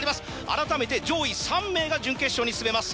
あらためて上位３名が準決勝に進めます。